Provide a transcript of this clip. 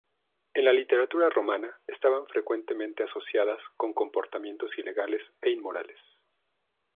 En la literatura romana estaban frecuentemente asociadas con comportamientos ilegales e inmorales.